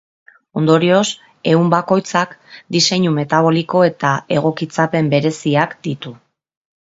Ondorioz, ehun bakoitzak diseinu metaboliko eta egokitzapen bereziak ditu.